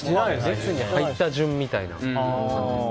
入った順みたいな感じです。